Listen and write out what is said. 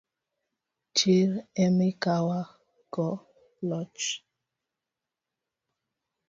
Chir emikawogo loch